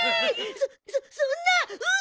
そそんなウソだ！